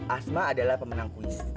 asma adalah pemenang kuis